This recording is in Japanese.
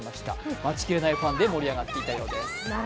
待ちきれないファンで盛り上がっていたようです。